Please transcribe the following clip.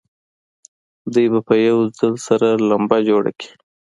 دوی به په یوه ځل سره لمبه جوړه کړي.